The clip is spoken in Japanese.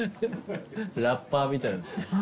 ラッパーみたい。